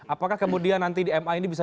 apakah kemudian nanti di ma ini bisa